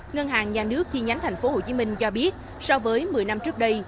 ngân hàng nhà nước chi nhánh tp hcm cho biết so với một mươi năm trước đây